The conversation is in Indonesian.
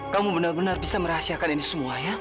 kamu benar benar bisa merahasiakan ini semua ya